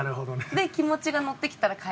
で気持ちが乗ってきたら返す。